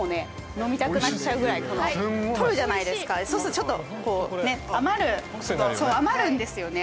飲みたくなっちゃうぐらいこの取るじゃないですかそうするとちょっとこうね余るクセになるよね